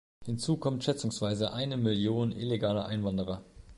Hinzu kommt schätzungsweise eine Million illegaler Einwanderer.